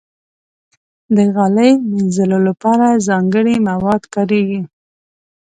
د غالۍ مینځلو لپاره ځانګړي مواد کارېږي.